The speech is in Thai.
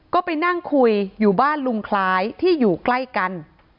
ก็ไปนั่งคุยอยู่บ้านลุงคล้ายที่อยู่ใกล้กัน